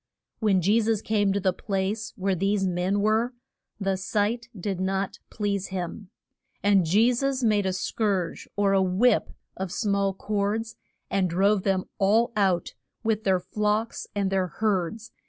When Je sus came to the place where these men were, the sight did not please him. And Je sus made a scourge, or whip of small cords, and drove them all out, with their flocks and their herds.